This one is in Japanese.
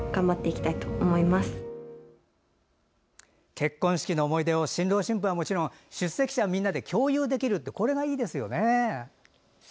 結婚式の思い出を新郎新婦はもちろん出席者みんなで共有できるってこれがいいですよね。